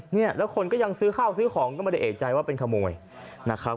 เนี่ยแล้วคนก็ยังซื้อข้าวซื้อของก็ไม่ได้เอกใจว่าเป็นขโมยนะครับ